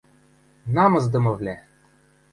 — Намысдымывлӓ!